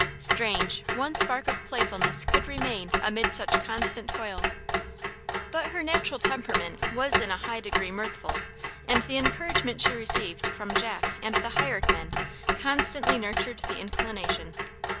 Strange, one spark of playfulness could remain amid such constant toil; but her natural temperament was in a high degree mirthful, and the encouragement she received from Jack and the hired men, constantly nurtured the inclination.